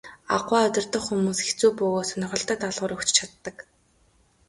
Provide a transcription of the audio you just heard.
Аугаа удирдах хүмүүс хэцүү бөгөөд сонирхолтой даалгавар өгч чаддаг.